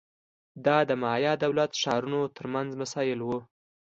دا د مایا دولت ښارونو ترمنځ مسایل وو